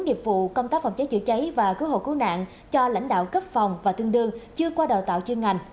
nghiệp vụ công tác phòng cháy chữa cháy và cứu hộ cứu nạn cho lãnh đạo cấp phòng và tương đương chưa qua đào tạo chuyên ngành